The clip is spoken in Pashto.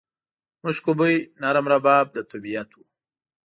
مشکو بوی، نرم رباب د طبیعت و